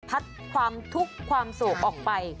พัดความทุกข์ความสุขออกไป